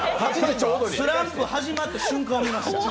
スランプ始まった瞬間を見ました。